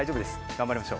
頑張りましょう。